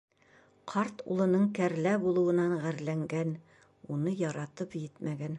Ҡарт улының кәрлә булыуынан ғәрләнгән, уны яратып етмәгән.